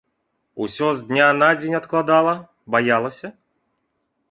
Усё з дня на дзень адкладала, баялася?